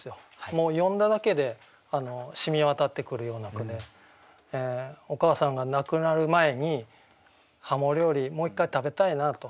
もう読んだだけでしみわたってくるような句でお母さんが亡くなる前に鱧料理もう一回食べたいなと。